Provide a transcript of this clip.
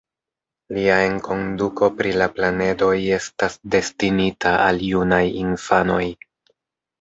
Lia enkonduko pri la planedoj estas destinita al junaj infanoj.